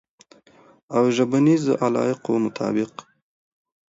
او ژبنیز علایقو مطابق